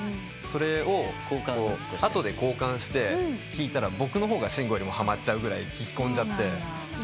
それを後で交換して聴いたら僕の方が真吾よりもはまっちゃうぐらい聴きこんじゃって。